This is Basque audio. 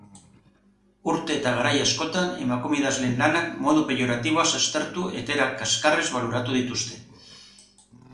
Urte eta garai askotan, emakume idazleen lanak modu peioratiboaz aztertu etaera kazkarrez baloratu dituzte.